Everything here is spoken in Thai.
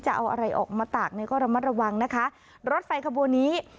จะเอาอะไรออกมาตากเนี่ยก็ระมัดระวังนะคะรถไฟขบวนนี้